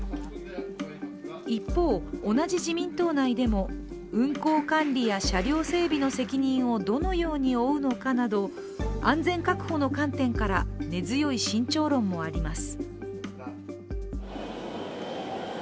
一方、同じ自民党内でも運行管理や車両整備の責任をどのように負うのかなど、安全確保の観点から根強い慎重論もあります